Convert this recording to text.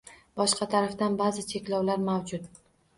Boshqa tarafdan, ba’zi cheklovlar mavjud.